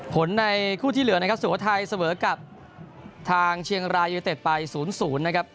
ในคู่ที่เหลือนะครับสุโขทัยเสมอกับทางเชียงรายยูนิเต็ดไป๐๐นะครับ